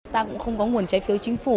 ta cũng không có nguồn trái phiếu chính phủ